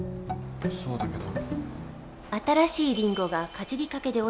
そうだけど。